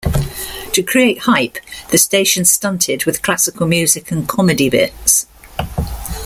To create hype, the station stunted with classical music and comedy bits.